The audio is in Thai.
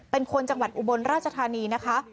เป็นคนจังหวัดอุบลราชธานีนะคะ